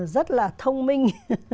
rất là thông minh